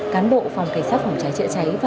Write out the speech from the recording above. cán bộ phòng cảnh sát phòng cháy chạy cháy